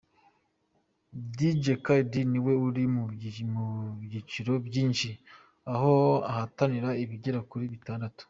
Dj Khaled ni we uri mu byiciro byinshi aho ahataniye ibigera kuri bitandatu..